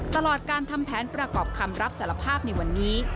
ตลอดการทำแผนประกอบคำรับสารภาพในวันนี้